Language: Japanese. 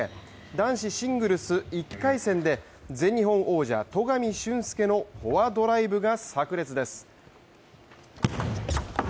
男子シングルス１回戦で全日本王者・戸上隼輔のフォアドライブがさく裂です。